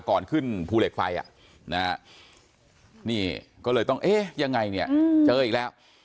ก่อนขึ้นภูเหล็กไฟนี่ก็เลยต้องเอ๊ะยังไงเนี่ยเจออีกแล้ว